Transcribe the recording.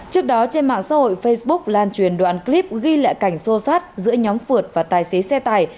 trước đó trên mạng xã hội facebook lan truyền đoạn clip ghi lại cảnh sô sát giữa nhóm phượt và tài xế xe tải